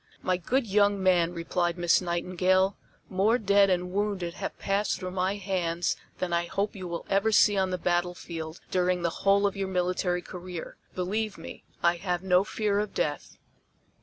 "My good young man," replied Miss Nightingale, "more dead and wounded have passed through my hands than I hope you will ever see on the battlefield during the whole of your military career; believe me, I have no fear of death."